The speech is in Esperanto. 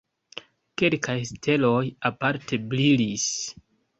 Kelkaj steloj aparte brilis.